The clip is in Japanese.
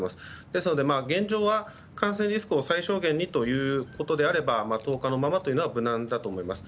ですので、現状は感染リスクを最小限にということであれば１０日のままというのは無難だと思います。